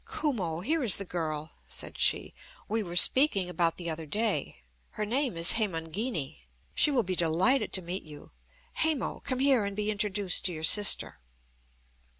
"Kumo, here is the girl," said she, "we were speaking about the other day. Her name is Hemangini. She will be delighted to meet you. Hemo, come here and be introduced to your sister."